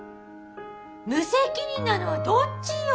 無責任なのはどっちよ！